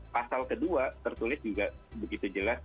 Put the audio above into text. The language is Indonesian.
pasal kedua tertulis juga begitu jelas